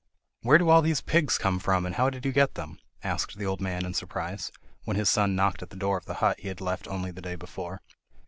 "Where do all these pigs come from, and how did you get them?" asked the old man in surprise, when his son knocked at the door of the hut he had left only the day before.